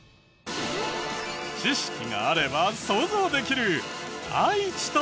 知識があれば想像できる。